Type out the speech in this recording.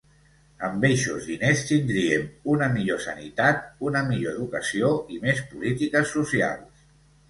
Amb eixos diners tindríem una millor sanitat, una millor educació i més polítiques socials.